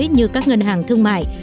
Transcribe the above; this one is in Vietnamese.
như các ngân hàng thương mại